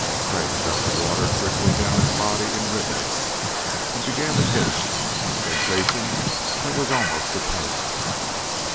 Crag felt the water trickling down his body in rivulets and began to itch, a sensation that was almost a pain.